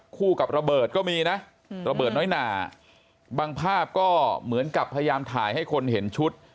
กับระเบิดก็มีนะระเบิดน้อยหนาบางภาพก็เหมือนกับพยายามถ่ายให้คนเห็นชุด